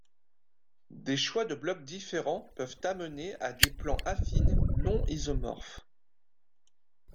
Des choix de blocs différents peuvent amener à des plans affines non isomorphes.